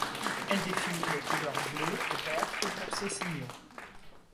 Elle définit les couleurs bleue et verte pour ces signaux.